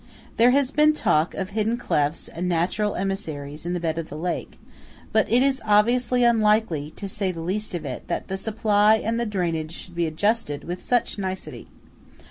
There has been talk of hidden clefts and natural emissaries in the bed of the lake; but it is obviously unlikely, to say the least of it, that the supply and the drainage should be adjusted with such nicety.